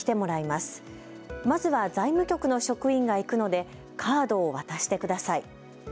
まずは財務局の職員が行くのでカードを渡してください。